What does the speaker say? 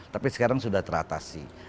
tapi sekarang sudah teratasi